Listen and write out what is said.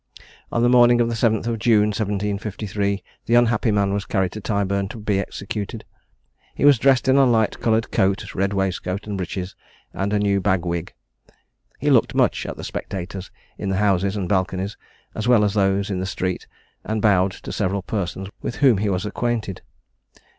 On the morning of the 7th June, 1753, the unhappy man was carried to Tyburn to be executed. He was dressed in a light coloured coat, red waistcoat and breeches, and a new bag wig. He looked much at the spectators in the houses and balconies, as well as at those in the street, and bowed to several persons with whom he was acquainted.